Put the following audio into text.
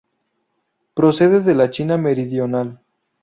Procede de la China meridional.